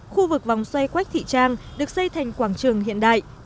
khu vực vòng xoay quách thị trang được xây thành quảng trường hiện đại